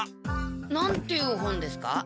何ていう本ですか？